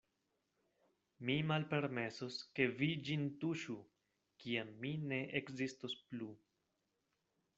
Mi malpermesos, ke vi ĝin tuŝu, kiam mi ne ekzistos plu.